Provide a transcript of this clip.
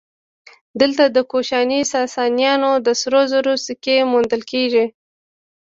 دلته د کوشاني ساسانیانو د سرو زرو سکې موندل کېږي